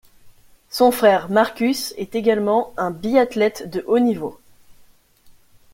Son frère Markus est également un biathlète de haut niveau.